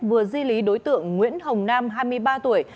vừa di lý đối tượng nguyễn hồng nam hai mươi ba tuổi